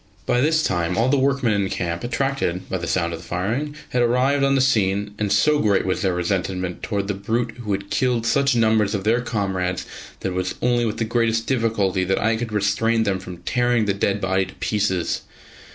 By this time all the workmen in camp, attracted by the sound of the firing, had arrived on the scene, and so great was their resentment against the brute who had killed such numbers of their comrades that it was only with the greatest difficulty that I could restrain them from tearing the dead body to pieces.